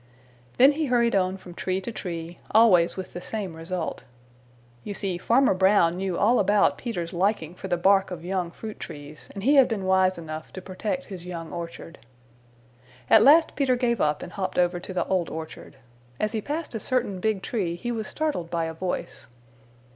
Then he hurried on from tree to tree, always with the same result. You see Farmer Brown knew all about Peter's liking for the bark of young fruit trees, and he had been wise enough to protect his young orchard. At last Peter gave up and hopped over to the Old Orchard. As he passed a certain big tree he was startled by a voice.